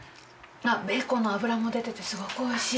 ベーコンの脂も出ててすごくおいしい。